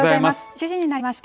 ７時になりました。